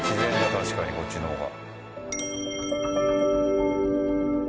確かにこっちの方が。